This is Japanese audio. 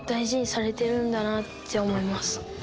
って思います。